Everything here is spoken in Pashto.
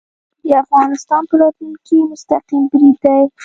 د افغانستان په راتلونکې مستقیم برید دی